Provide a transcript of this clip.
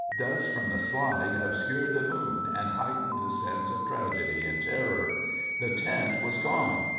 Dust from the slide obscured the moon and heightened the sense of tragedy and terror. The tent was gone.